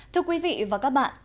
thưa quý vị và các bạn